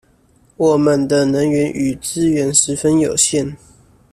我們的能源與資源十分有限